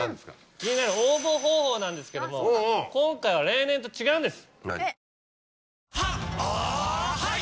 気になる応募方法なんですけども今回は例年と違うんです。